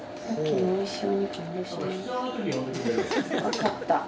わかった。